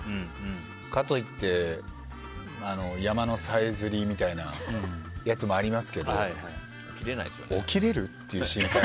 かといって、山のさえずりみたいなやつもありますけど起きれる？っていう。